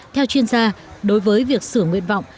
theo chuyên gia đối với việc sửa nguyện vọng